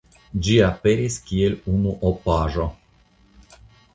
Ĝi aperis kiel unuopaĵo.